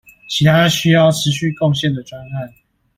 其他需要持續貢獻的專案